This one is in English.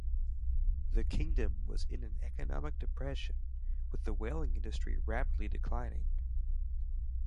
The Kingdom was in an economic depression, with the whaling industry rapidly declining.